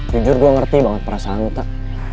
jujur gue ngerti banget perasaanmu tak